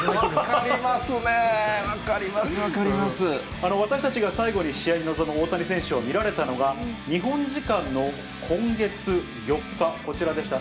分かりますねぇ、分かります、私たちが最後に試合に臨む大谷選手を見られたのが、日本時間の今月４日、こちらでした。